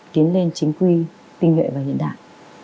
tiến lên chính quy tinh nhuệ và hiện đại